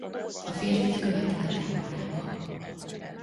A férfit követik a táborába.